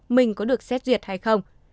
mình có được xét duyệt hay không